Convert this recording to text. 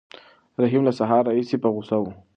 رحیم له سهار راهیسې په غوسه و.